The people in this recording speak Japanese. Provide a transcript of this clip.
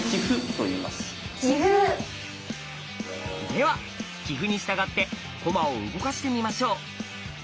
では棋譜に従って駒を動かしてみましょう。